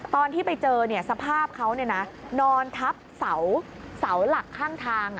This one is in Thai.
ตอนที่ไปเจอสภาพเขานอนทับเสาหลักข้างทาง